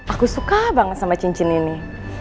aku suka banget sama cincin ini